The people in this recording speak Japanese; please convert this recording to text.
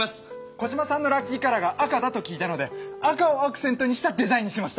コジマさんのラッキーカラーが赤だと聞いたので赤をアクセントにしたデザインにしました！